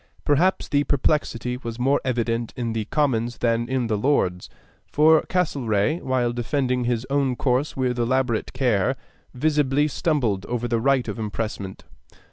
Perhaps the perplexity was more evident in the Commons than in the Lords; for Castlereagh, while defending his own course with elaborate care, visibly stumbled over the right of impressment.